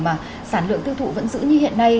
mà sản lượng tiêu thụ vẫn giữ như hiện nay